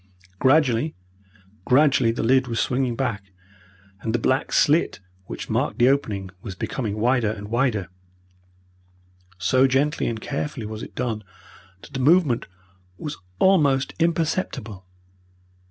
Gradually, gradually the lid was swinging back, and the black slit which marked the opening was becoming wider and wider. So gently and carefully was it done that the movement was almost imperceptible.